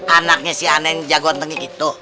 anaknya si aneh yang jago ntengik itu